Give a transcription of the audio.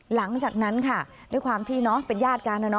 หลังจากนั้นค่ะด้วยความที่เป็นญาติกัน